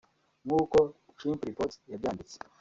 nk’uko Chimpreports yabyanditse